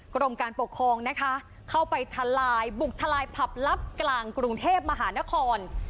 กรมการปกครองนะคะเข้าไปทลายบุกทลายผับลับกลางกรุงเทพมหานคร